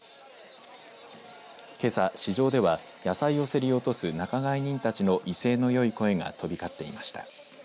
けさ、市場では野菜を競り落とす仲買人たちの威勢のよい声が飛び交っていました。